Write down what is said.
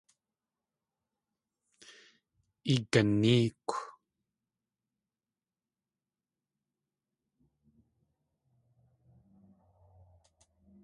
Iganéekw!